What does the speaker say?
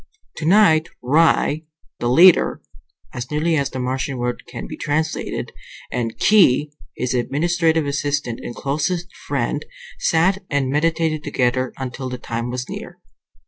Tonight Ry, the leader (as nearly as the Martian word can be translated), and Khee, his administrative assistant and closest friend, sat and meditated together until the time was near.